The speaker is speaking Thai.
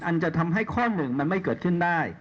อันจะทำให้ข้อ๑มันไม่เกิดขึ้นได้